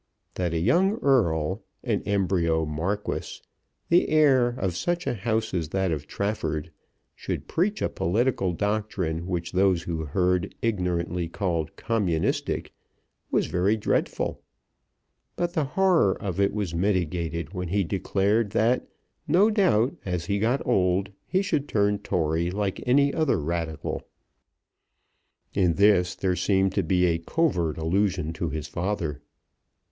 That a young Earl, an embryo Marquis, the heir of such a house as that of Trafford, should preach a political doctrine which those who heard ignorantly called Communistic, was very dreadful; but the horror of it was mitigated when he declared that no doubt as he got old he should turn Tory like any other Radical. In this there seemed to be a covert allusion to his father.